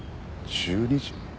１２時？